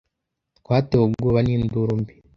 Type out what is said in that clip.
Twatewe ubwoba n'induru mbi.